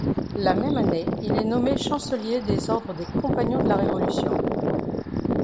La même année, il est nommé chancelier des Ordres des Compagnons de la Révolution.